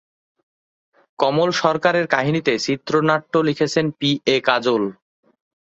কমল সরকারের কাহিনীতে চিত্রনাট্য লিখেছেন পি এ কাজল।